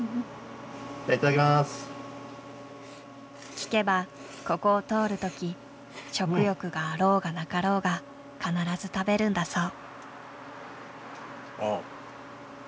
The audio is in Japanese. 聞けばここを通る時食欲があろうがなかろうが必ず食べるんだそう。